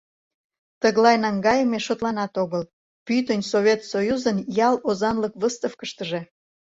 Тыглай наҥгайыме шотланат огыл, пӱтынь Совет Союзын ял озанлык Выставкыштыже!